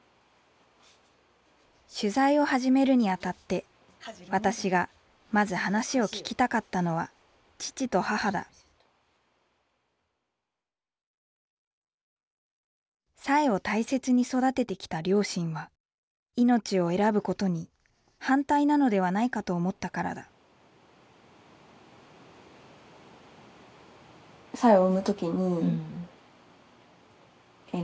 取材を始めるにあたって私がまず話を聞きたかったのは父と母だ彩英を大切に育ててきた両親は命を選ぶことに反対なのではないかと思ったからだえっ